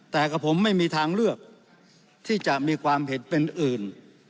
แต่กับผมไม่มีทางเลือกที่จะมีความเห็นเป็นอื่น